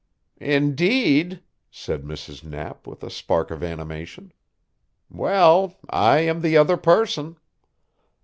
"Indeed?" said Mrs. Knapp with a spark of animation. "Well, I am the other person."